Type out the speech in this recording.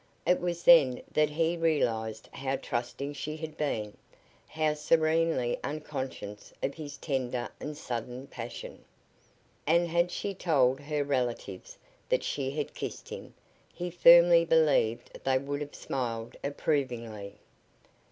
It was then that he realized how trusting she had been, how serenely unconscious of his tender and sudden passion. And had she told her relatives that she had kissed him, he firmly believed they would have smiled approvingly.